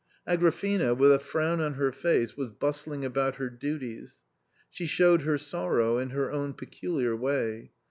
Agrafena, with a frown on her face, was bustling about her duties. She showed her sorrow in her own peculiar way.